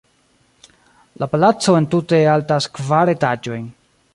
La palaco entute altas kvar etaĝojn.